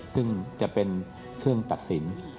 ซึ่งจะเป็นเครื่องตัดสิน